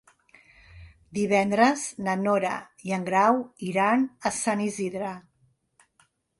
Divendres na Nora i en Grau iran a Sant Isidre.